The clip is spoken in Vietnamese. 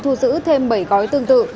thu giữ thêm bảy gói tương tự